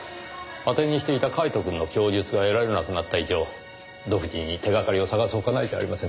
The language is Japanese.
当てにしていたカイトくんの供述が得られなくなった以上独自に手がかりを探す他ないじゃありませんか。